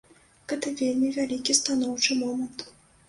Гэта вельмі вялікі станоўчы момант.